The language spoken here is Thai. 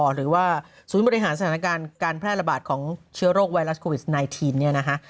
หรือว่าศูนย์บริหารสถานการณ์การแพร่ระบาดของเชื้อโรคไวรัสโควิด๑๙เนี่ยนะฮะ